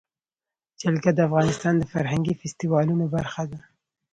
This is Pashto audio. جلګه د افغانستان د فرهنګي فستیوالونو برخه ده.